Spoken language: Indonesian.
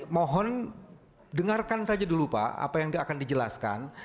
mohon dengarkan saja dulu pak apa yang akan dijelaskan